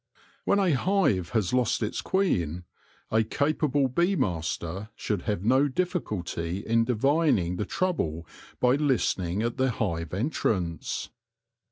When a hive has lost its queen, a capable bee master should have no difficulty in divining the trouble by listening at the hive entrance.